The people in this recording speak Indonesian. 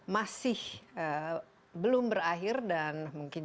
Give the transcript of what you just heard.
khususnya di indonesia